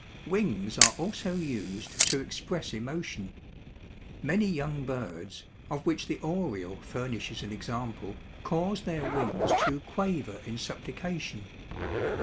Wings are also used to express emotion. Many young birds, of which the oriole furnishes an example, cause their wings to quaver in supplication.